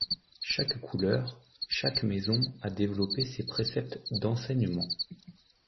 Chaque couleur, chaque maison a développé ses préceptes d’enseignement.